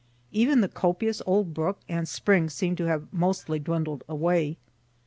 Even the copious old brook and spring seem'd to have mostly dwindled away.